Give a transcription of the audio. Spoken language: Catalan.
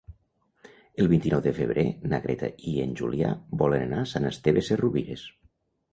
El vint-i-nou de febrer na Greta i en Julià volen anar a Sant Esteve Sesrovires.